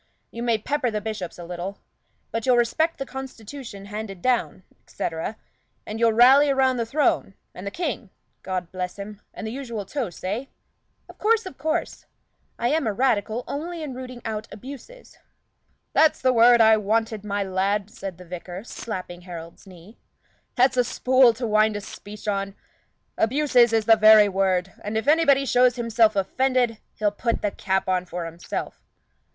You may pepper the bishops a little. But you'll respect the constitution handed down, etc. and you'll rally round the throne and the King, God bless him, and the usual toasts, eh?" "Of course, of course. I am a Radical only in rooting out abuses." "That's the word I wanted, my lad!" said the vicar, slapping Harold's knee. "That's a spool to wind a speech on. Abuses is the very word; and if anybody shows himself offended, he'll put the cap on for himself."